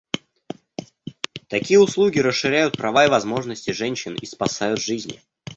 Такие услуги расширяют права и возможности женщин и спасают жизни.